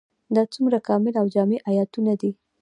دا څومره کامل او جامع آيتونه دي ؟